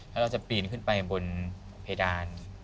แล้วเราจะปีนขึ้นไปบนเพดาน